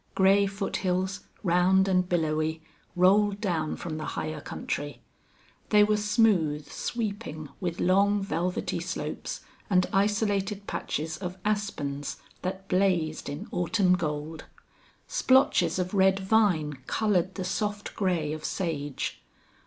Gray foothills, round and billowy, rolled down from the higher country. They were smooth, sweeping, with long velvety slopes and isolated patches of aspens that blazed in autumn gold. Splotches of red vine colored the soft gray of sage.